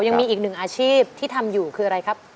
ยังมีอีกหนึ่งอาชีพที่ทำอยู่คืออะไรครับ